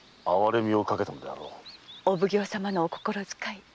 お奉行様のお心遣い